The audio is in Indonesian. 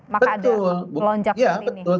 maka ada lonjakan ini